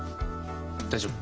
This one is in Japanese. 大丈夫。